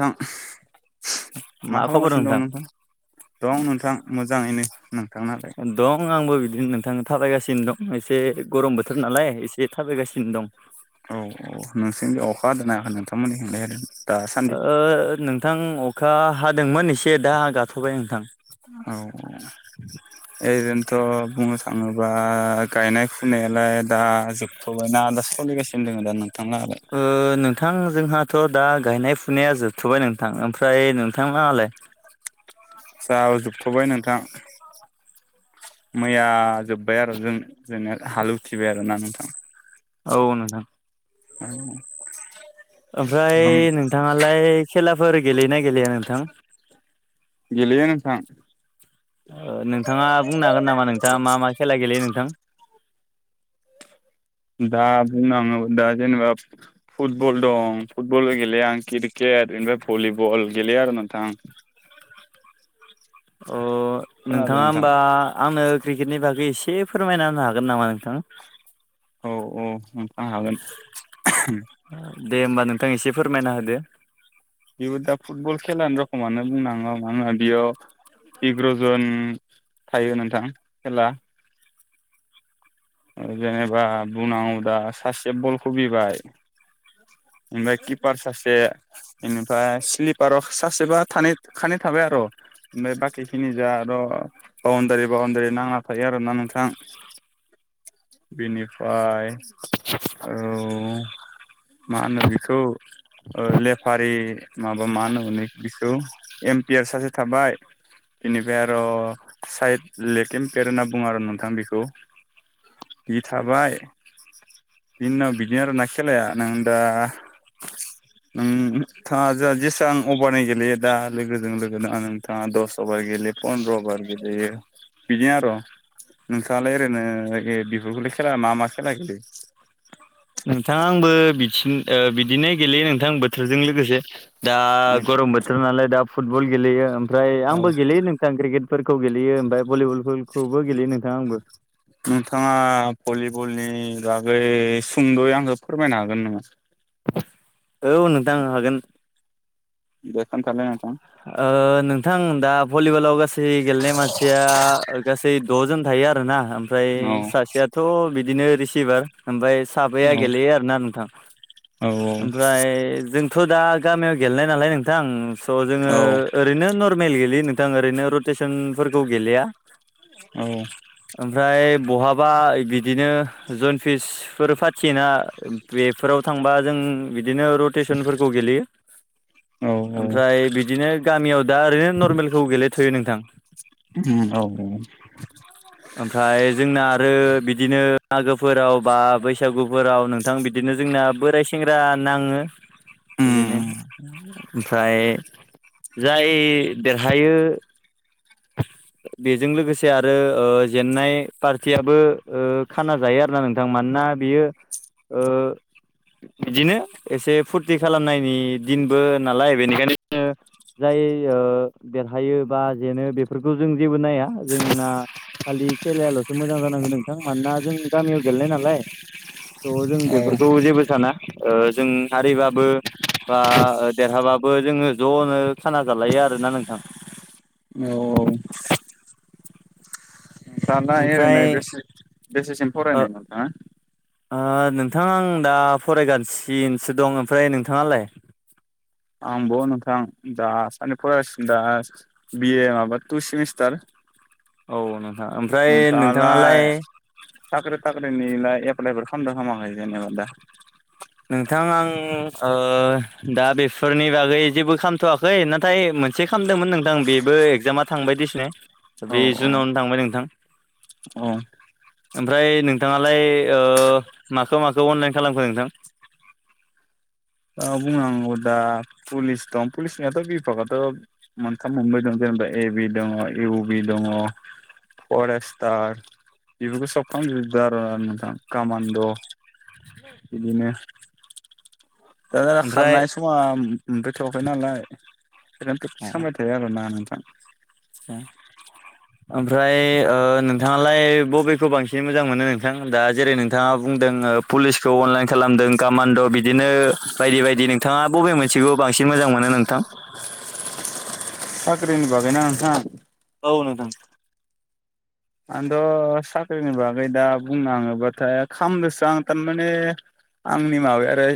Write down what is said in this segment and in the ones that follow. नोंथां मा खालामगासिनो दं नोंथां दं नोंथां मोजांङैनो नोंथांनालाय दं आंबो बिदिनो नोंथांनो थाबायगासिनो दं एसे गरम बोथोर नालाय एसे थाबायगासिनो दं औ औ नोंसिनि बे अखा हादोंना आं नोंथांमोननि थिंजाय आरो नोंथां अखा हादोंमोन एसे दा गाथ'बाय नोंथां औ ओरैनोथ' बुंनो थाङोबा गायनाय फुनायालाय दा जोब आ दा सोलिगासिनो दङ दा नोंथांनालाय नोंथां जोंहाथ' दा गायनाय फुनाया जोबथ'बाय नोंथां ओमफ्राय नोंथां माहालाय जाजोबथ'बाय नोंथां मैया जोब्बाय आरो जों जों हाल उथिबाय आरो ना नोंथां औ नोंथां [inaudible] ओमफ्राय नोंथाङालाय खेलाफोर गेलेयोना गेलेया नोंथां गेलेयो नोंथां नोंथाङा बुंनो हागोन नामा नोंथाङा मा मा खेला गेलेयो नोंथां दा बुंनांगोन जेनेबा फुटबल दं फुटबलबो गेलेया आं क्रिकेट बेनिफ्राय भलिबल गेलेयो आरो नोंथां अ खोनादों नोंथाङा नोंथां होमबा आंनो क्रिकेटनि बागै एसे फोरमायना होनो हागोन नामा नोंथां औ औ हागोन दे होमबा नोंथां एसे फोरमायना होदो बेबो दा फुटबल खेलानि रखमानो बुंनाङौ आङो बेयाव एग्र'जन थायो नोंथां खेला जेनेबा बुंनांगौ दा सासे बल खोबिबाय ओमफ्राय किपार सासे बेनिफ्राय स्लिपाराव सासेबा थानाय सानै थाबाय आरो ओमफ्राय बाखिनिजों आर' बाउणडारि बाउणडारि नांना थायो आरोना नोंथां बेनिफ्राय औ मा होनो बिखौ लेफारि माबा मा होनो मोनो बिखौ एम्पियार सासे थाबाय बेनिफ्राय आरो साइड लेकेम पेर होनना बुङो आरो नोंथां बेखौ बि थाबाय बिनि उनाव बिदि आरोना खेलाया नों दा उम नोंथाङा जोंहा जेसेबां अभारनि गेलेयो दा लोगोजों लोगोना नोंथाङा दस अभार गेले फन्द्र' अभार गेलेयो बिदि आरो नोंथाङा लाय ओरैनो ए बिफोरखौल खेला मा मा खेला गेलेयो नोंथाङा आंबो बि बिदिनो गेलेयो नोंथां बोथोरजों लोगोसे दा गरम बोथोर नालाय दा फुटबल गेलेयो ओमफ्राय औ आंबो गेलेयो नों क्रिकेटफोरखौ गेलेयो ओमफ्राय भलिबलफोरखौबो गेलेयो नोंथां आंबो नोंथाङा भलिबलनि बागै सुंद'यै आंखौ फोरमायनो हागोन नामा औ नोंथां हागोन दे खोनथालाय नोंथां नोंथां दा भलिबलाव गासै गेलेनाय मानसिया गासै द'जोन थायो आरोना ओमफ्राय औ सासेयाथ' बिदिनो रिसिभार ओमफ्राय साबाया औ गेलेयो आरोना नोंथां औ ओमफ्राय जों थ' दा गामियाव गेलेनाय नालाय नोंथां स' जोङो औ ओरैनो नर्मेल गेलेयो नोंथां ओरैनो रटेसनफोरखौ गेलेया औ ओमफ्राय बहाबा ओइ बि बिदिनो जन फिसफोर फाथियोना बेफोराव थांबा जों बिदिनो रड टेसनफोरखौ गेलेयो औ औ ओमफ्राय बिदिनो गामियाव दा ओरैनो नरमेलखौ गेलेथ'यो नोंथां औ औ [inaudible] ओमफ्राय जोंना आरो बिदिनो मागोफोराव बा बैसागुफोराव नों थां बिदिनो जोंना बोराय सेंग्रा नाङो बिदिनो ओमफ्राय जाय देरहायो [inaudible] बेजों लोगोसे आरो जेननाय पार्टियाबो खाना जायो आरो ना नों मोजां मानोना बेयो ओ बिदिनो एसे फुरथि खालामनायनि दिनबो नालाय बेनिखायनो जोङो जाय देरहायो बा जेनो बेफोरखौ जों जेबो नाया जोंना खालि खेलायल'सो मोजां जानांगौ नोंथां मानोना जों गामियाव गेलेनाय नालाय थ' जों बेफोरखौ जेबो साना जों हारिबाबो बा देरहाबाबो जोङो ज'नो खाना जालायो आरोना नोंथां औ औ नोंथाङा दा ओमफ्राय एरैनो बेसे बेसेसिम फरायनाय नोंथाङा नोंथाङा आं दा फरायगासिनोसो दं ओमफ्राय नोंथाङालाय आंबो नोंथां दासान्दि फरायासिनो दा बिए माबा टु सेमिस्टार औ नोंथां ओमफ्राय नोंथाङालाय साख्रि थाख्रिनिलाय एप्लाइफोर खालामदों खालामाखै जेनेबा दा नोंथां आं दा बेफोरनि बागै जेबो खालामथ'वा खै नाथाय मोनसे खालामदोंमोन नोंथां बेबो एगजामा थांबायदिसिनो औ बे औ जुनावनो थांबाय नोंथां औ ओमफ्राय नोंथाङालाय माखौ माखौ ओ अनलाइन खालामखो नोंथां बुंनांगौ दा पुलिस दं पुलिसनियाथ' बिभागाथ' मोनथाम मोनब्रै दं जेनेबा ए बि दङ इउ बि दङ फरेस्टार बेफोरखौ सब खामजोबदों आरो ना नोंथां कामान्ड' [inaudible] बिदिनो दाना ओमफ्राय खारनाय समा मोनफैथ'वाखै नालाय बेखायनो प्रेकटिस अ खालामबाय आदसा थायो आरो ना नोंथां [unintelligible] ओमफ्राय नोंथाङालाय बबेखौ बांसिन मोजां मोनो नोंथां दा जेरै नों थाङा बुंदों पुलिसखौ अनलाइन खालामदों कामान्ड' बिदिनो बायदि बायदि नों थाङा बबे मोनसेखौ बांसिन मोजां मोनो नोंथां साख्रिनो बागै ना नोंथां औ नोंथां आंथ' साख्रिनि बागै दा बुंनो थाङोबाथाय खामदोंसो आं थारमाने आंनि माबाया ओरै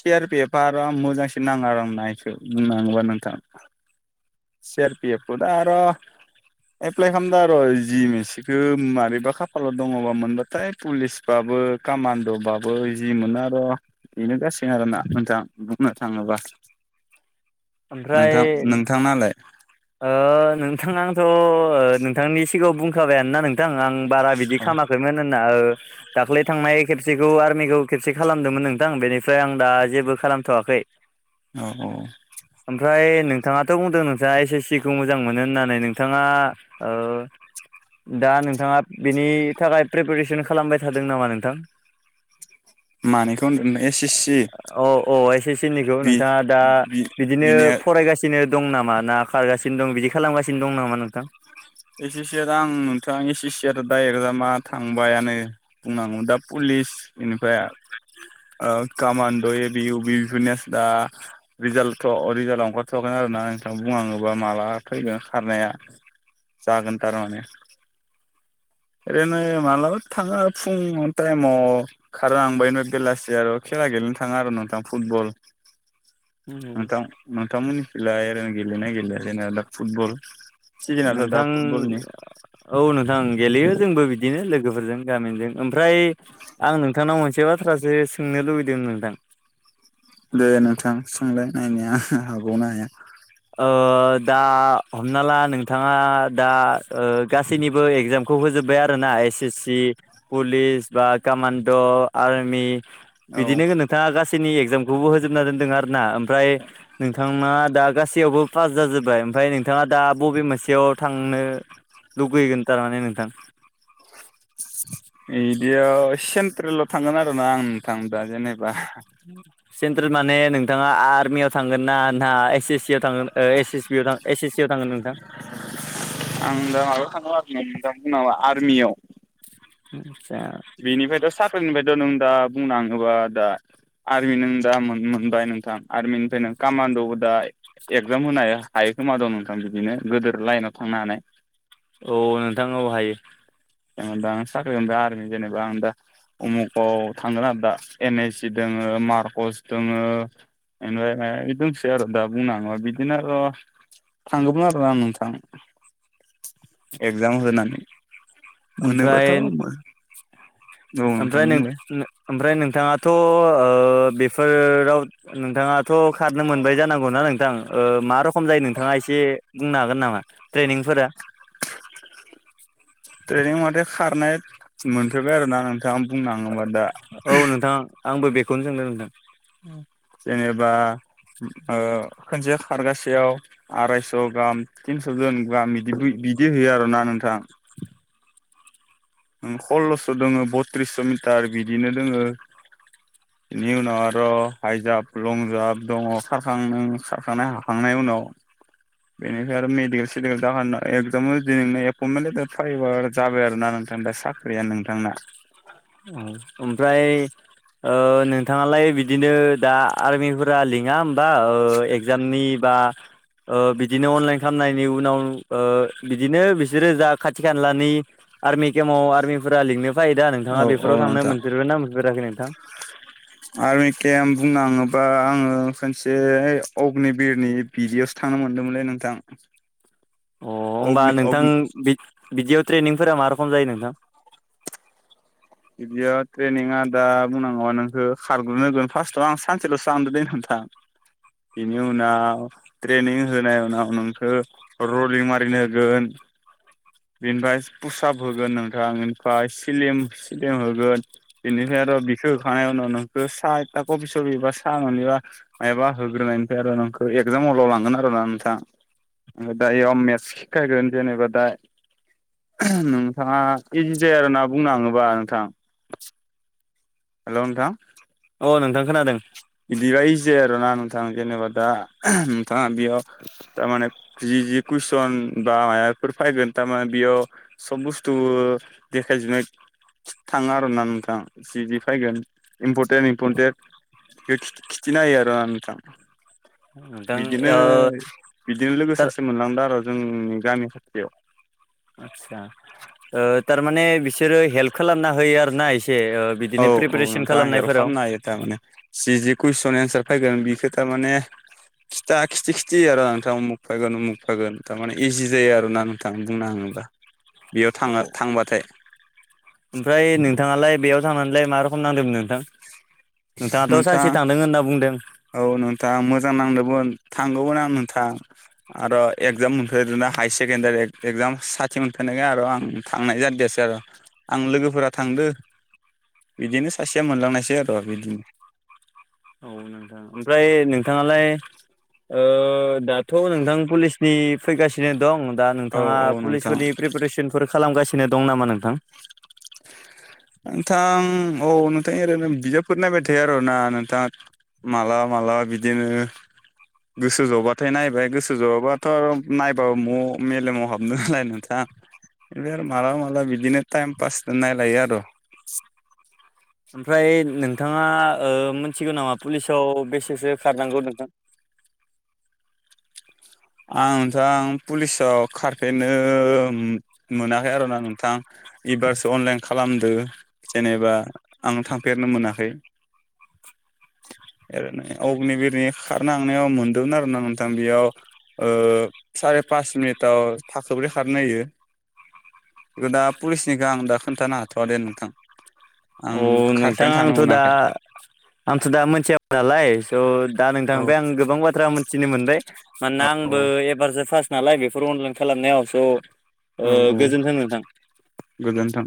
सियार पेफारा मोजांसिन नाङा आरो आं नायखो बुंनो थाङोबा नोंथां चिआरपिएप दा आरो एप्लाइ खालामदों र' जि एम ए सिखौ माबैबा खाफालला दङबा मोनबाथाय पुलिस बाबो कामान्द' बाबो जि मोनो र' बेनो गासै आरोना नोंथां बुंनो थाङोबा नोंथां ओमफ्राय नोंथांनालाय ओ नोंथां आंथ' नोंथांनि सिगाङाव बुंखाबायानोना नोंथां आं बारा बिदि औ खालामामा बे मानो ना ओ दाख्लै थांनाय खेबसेखौ आर्मिखौ खेबसे खालामदोंमोन नोंथां बेनिफ्राय आं दा जेबो खालामथ'वाखै औ औ ओमफ्राय नोंथाङाथ' बुंदों नोंथाङा एस एस टिखौ मोजां मोनो होननानै नोंथाङा दा नोंथाङा बिनि थाखाय प्रिपेरेसन खालामबाय थादों नामा नोंथां मानिखौ होनदोंमोन एस एस सि औ औ एस एस सि निखौ बि नोंथाङा दा बि बिदिनो बिनिया फरायगासिनो बिनो दं नामा ना खारगासिनो दं बिदि खालामगासिनो दं नामा नोंथां एस एस सि याथ' आं नोंथां एस एस सियाथ' दा एगजामा थांबायानो बुंनांगौ दा पुलिस बेनिफ्राय ओ कमान्द' ए बि इउ बि बेफोरनियासो दा रिजाल्टथ' रिजाल्टाव ओंखारथ'वाखैनो आरो ना नोंथां बुनांगौबा माला फैगोन खारनाया जागोन थारमाने ओरैनो मालाबा थाङो फुं टाइमाव खारनो आं बनो बेलासि आरो खेला गेलेनो थाङा आरो नोंथां फुटबल नोंथां नोंथांमोननि खैलाय ओरैनो गेलेयो ना गेलेया जेनबा दा फुटबल सिजेनाथ' दा नोंथां फुटबलनि औ नोंथां गेलेयो जोंबो बिदिनो लोगोफोरजों गामिनिजों ओमफ्राय आं नोंथांनाव मोनसे बाथ्रासो सोंनो लुबैदों नोंथां दे नोंथां सोंलाय नायनिया हागौ ना हाया दा हमना ला नोंथाङा दा गासैनिबो एगजाम खौ होजोब्बाय आरो ना एस एस सि पुलिस बा कामान्ड' आर्मि औ बिदिनो नोंथाङा गासैनि एगजामखौबो होजोबना दोन्दों आरो ना ओमफ्राय नोंथां ना दा बो पास जाजोबबाय ओमफ्राय नोंथाङा दा बबे मोनसेयाव थांनो लुगैगोन थारमाने नोंथां इदियाव सेन्ट्रेलाव थांगोन आरो ना आं नोंथां दा जेनेबा [unintelligible] सेन्ट्रेल माने नोंथाङा आर्मियाव थांगोन ना नोंथाङा एस एस सि आव थांगोन एस एस बि आव थांगोन एस एस सि आव थांगोन नोंथां आं दा माबायाव थांगोन आरो ना [unintelligible] आर्मियाव आदसा बिनिफ्रायथ' साख्रिनिफ्रायथ' नों दा बुंनो थाङोबा दा आरमि नों दा मोनबाय नोंथां आरमिनिफ्राय नों कामान्द'वावबो दाय एगजाम होनो हायो खोमा थ' नोंथां बिदिनो गोदोर लाइनाव थांनो हानाय औ नोंथां औ हायो औ दा आं साख्रि मोनबा आरमि जेनेबा आं दा उमुखाव थांगोन आरो दा एन ए सि दङो मारकस दङो [unintelligible] दंसै आरो दा बुंनो थाङोबा बिदिनो आरो थांगौमोन आरो ना नोंथां एगजाम होनानै ओमफ्राय मोनोबथ' मो ओमफ्राय नों ओमफ्राय नोंथाङाथ' बेफोराव नोंथाङाथ' खारनो मोनबाय जानांगौना नोंथां मा रखम जायो नोंथाङा एसे बुंनो हागोन नामा ट्रेनिंफोरा ट्रेनिं नङा दे खारनाय मोनफेरबाय आरो ना नोंथां बुंनो थाङोबा दा औ नोंथां आंबो बेखौनो सोंदों नोंथां जेनेबा खोनसे खारगासेयाव आरायस' गाहाम थिनस'जन गाहाम बिदि बिदि होयो आरो ना नोंथां खल्ल'स' दोङो बथ्रिसस' मिटार बिदिनो दोङो बिनि उनाव आरो हाइजाप लंजामप दङ खारखां खारखांनाय हाखांनायनि उनाव बेनिफ्राय आरो मेडिकेल सिडिकेल थागोन एगजामाव दिनैनो एपइटमेन्ट लेटार फायोबा जाबाय आरो ना नों नोंथां दा साख्रिया नोंथांना औ ओमफ्राय नोंथाङालाय बिदिनो दा आर्मिफोरा लिङा होमबा एगजामनि बा [unintelligible] बिदिनो अनलाइन खालामनायनि उनाव बिदिनो बिसोरो जा खाथि खालानि आर्मि केमपाव आर्मिफोरा लिंनो फैयो दा नोंथां नोंथाङा औ औ बेफोराव थां नोंथां मोनफेरबाय ना मोनफेराखै नोंथां? आरमि केम बुंनो थाङोबा आङो खनसे अग्निबिरनि बिदियावसो थांनो मोनदोंमोनलै नोंथां अ होनबा अग्नि नोंथां अग्नि बिदियाव ट्रेनिंफोरा मा रोखोम जायो नोंथां बिदियाव ट्रेनिङा दा बुंनागौ बा नोंसोर खारग्रोनांगोन फार्स्टआव आं सानसेल'सो थांदों दे नोंथां बेनि उनाव ट्रेनिं होनाय उनाव नोंखौ रलिं मारिन होगोन बेनिफ्राय पुसाब होगोन नोंथां बेनिफ्राय सिलिम सिलिम होगोन बेनिफ्राय आरो बिखौ होखानाय उनाव नोंखो साहा एबा कबि सबि बा सा मोनोबा मायाबा होग्रोनायनिफ्राय आरो नोंखौ एगजाम हलाव लांगोन आरो ना नोंथाङा ओफ्राय दा मेथस सिखायगोन जेनेबा दा नोंथाङा इजि जाया आरोना बुंनो थाङोबा नोंथां हेल' नोंथा अ नोंथां खोनादों बिदिबायसै आरो ना नोंथां जेनेबा दा नोंथाङा बेयाव थारमाने जि कुइसन बा माबाफोर फायगोन थारमाने बेयाव सब बुस्थु देखायजोबनो थाङो आरो ना नोंथां जिजि फैगोन इम्परटेन्ट इम्परटेन्ट बे खिथिना होयो आरो नोंथां नोंथां बिदिनो ओ बिदिनो लोगो थार सासे मोनलांदों आरो जोंनि गामि खाथियाव आटसा ओ थारमाने बिसोरो हेल्प खालामना होयो आरोना एसे ओ औ बिदिनो औ प्रिपारेसन नोंथां हेल्प खालामनायफोराव खालामनो हायो थारमाने जि जि कुइसन एन्सार फैगोन बेखौ थारमाने खिथा खिथि खिथि होयो आरो नोंथां उमुख फैगोन उमुख फैगोन थारमाने इजि जायो आरो ना नोंथां बुंनो थाङोब्ला बेयाव औ थाङो थांबाथाय ओमफ्राय नोंथाङालाय बेयाव थांनानैलाय मा रोखोम नांदोंमोन नोंथां नोंथाङाथ' नोंथां सानसे थांदों होनना बुंदों औ नोंथां मोजां नांदोंमोन थांगौमोन आं नोंथां आरो एगजाम मोनफेरनो हायार सेकेणडारि एगजाम खाथि मोनफैनायखाय आरो आं थांनाय जादायासै आरो आं लोगोफोरा थांदो बिदिनो सासेया मोनलांनायसै आरो बिदिनो औ नोंथां ओमफ्राय नोंथाङालाय ओ दाथ' नोंथां पुलिसनि फैगासिनो दं दा औ नोंथाङा औ नोंथां पुलिसफोरनि प्रिपारेसनफोर खालामगासिनो दं नामा नोंथां नोंथां औ नोंथां ओरैनो बिजाबफोर नायबाय थायो आरोना नोंथाङा मालाबा मालाबा बिदिनो गोसो जबाथाय नायबाय गोसो जावाबाथ' आरो नायबाबो म'आव मेलेमाव हाबनो नालाय नोंथां। बे आरो मालाबा मालाबा बिदिनो टाइम पास नालायो आरो। ओमफ्राय नोंथाङा मिथिगौ नामा पुलिसाव बेसेसो खारनांगौ नोंथां। आं नोंथां पुलिसाव खारफेरनो मोनाखै आरोना नोंथां। एबारसो अनलाइन खालामदो जेनेबा आं थांफेरनो मोनाखै। ओरैनो अग्नि बिरनि खारनो थांनायाव मोनदोंमोन आरो ना नोंथां बेयावो साराय पास मिनिटाव थाखोब्रै खारनो होयो। बेखौ दा पुलिसनिखौ आं दा खिनथानो हाथ'वा दे। आं अ नोंथां खारफेरनो थांनो आंथ' दा मोनाखै आंथ' दा मोनथियामोन नालाय स' दा औ नोंथांनिफ्राय आं गोबां बाथ्रा मोनथिनो मोनबाय। औ मानोना औ आंबो एबारसो फास्ट नालाय बेफोर अनलाइन खालामनायावो स' औ औ गोजोन्थों नोंथां गोजोनथों।